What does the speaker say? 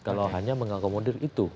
kalau hanya mengakomodir itu